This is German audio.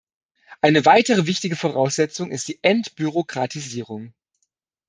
Eine weitere wichtige Voraussetzung ist die Entbürokratisierung.